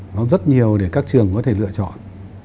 nó rất nhiều để các trường có thể lựa chọn